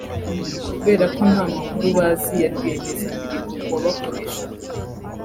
Kubera ko nta makuru bazi ya rwiyemezamirimo wabakoreshaga